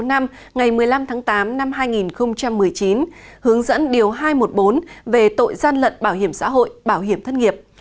ngày một mươi năm tháng tám năm hai nghìn một mươi chín hướng dẫn điều hai trăm một mươi bốn về tội gian lận bảo hiểm xã hội bảo hiểm thất nghiệp